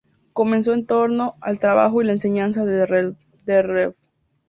Comenzó en torno al trabajo y la enseñanza del Rev.